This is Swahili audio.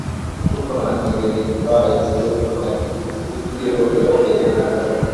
Utupu na ni wenye furaha isiyo kifani izidiyo yote yenye kufanyika